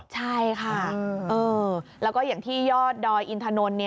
ใช่ค่ะแล้วก็อย่างที่ยอดดอยอินทนนท์